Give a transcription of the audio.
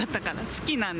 好きなの？